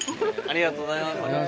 ありがとうございます。